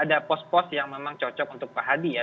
ada pos pos yang memang cocok untuk pak hadi ya